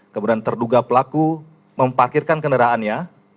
kemudian terduga pelaku memparkirkan kendaraannya